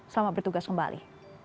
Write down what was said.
selamat bertugas kembali